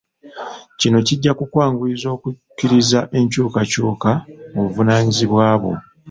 Kino kijja kukwanguyiza okukkiriza enkyukakyuka mu buvunaanyizibwa bwo.